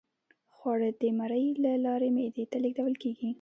خواړه د مرۍ له لارې معدې ته لیږدول کیږي